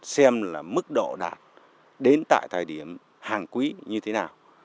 xem là mức độ đạt đến tại thời điểm hàng quý như thế nào